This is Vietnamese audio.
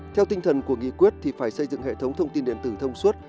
theo tinh thần của nghị quyết thì phải xây dựng hệ thống thông tin điện tử thông suốt